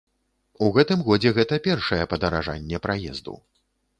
У гэтым годзе гэта першае падаражанне праезду.